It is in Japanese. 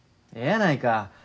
えやないか。